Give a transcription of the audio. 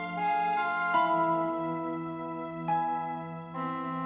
ibu pembantu ini